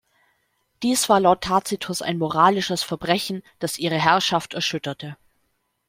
Dies war laut Tacitus ein moralisches Verbrechen, das ihre Herrschaft erschütterte.